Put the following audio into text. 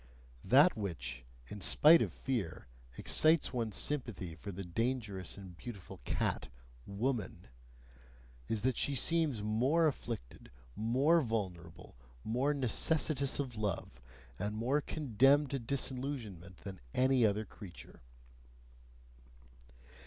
That which, in spite of fear, excites one's sympathy for the dangerous and beautiful cat, "woman," is that she seems more afflicted, more vulnerable, more necessitous of love, and more condemned to disillusionment than any other creature.